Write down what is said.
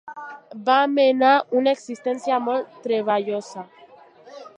Va menar una existència molt treballosa.